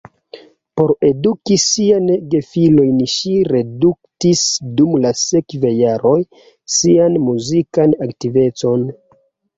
Por eduki siajn gefilojn ŝi reduktis dum la sekvaj jaroj sian muzikan aktivecon.